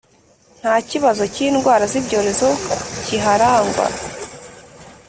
nta kibazo k’indwara z’ibyorezo kiharangwa